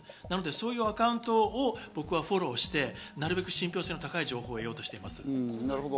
なのでそういうアカウントを僕はフォローして、なるべく信ぴょう性の高い情報を得ようとしています。